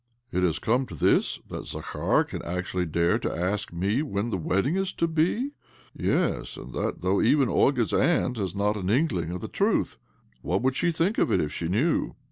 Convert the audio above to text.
' It has come to this, that Zakhar can actually dare to ask me when the wedding is to be 1 Yes, and that though even Olga's aunt has OBLOMOV 207 not an inklingi of the truth I What would she think of it if she knew?